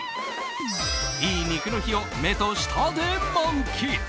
いい肉の日を目と舌で満喫！